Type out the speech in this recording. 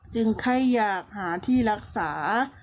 จึงใครอยากหาที่รักษา